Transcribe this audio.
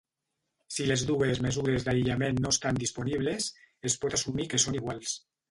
Si les dues mesures d'aïllament no estan disponibles, es pot assumir que són iguals.